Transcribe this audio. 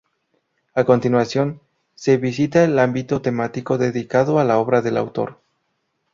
A continuación se visita el ámbito temático dedicado a la obra del autor.